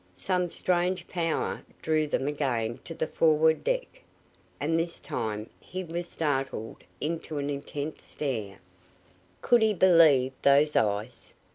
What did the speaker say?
Some strange power drew them again to the forward deck, and this time he was startled into an intent stare. Could he believe those eyes?